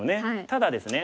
ただですね